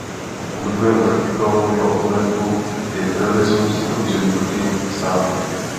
Oblíbenou taktikou jeho oponentů je terorismus namířený proti státu.